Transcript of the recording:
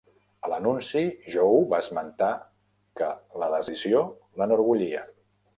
A l'anunci, Joe va esmentar que la decisió l'enorgullia.